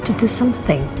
kamu harus berbuat sesuatu